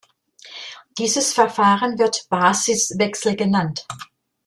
Dieses Verfahren wird Basiswechsel genannt.